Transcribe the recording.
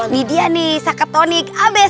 nih dia nih sakatonik abc